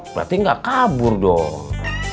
berarti gak kabur dong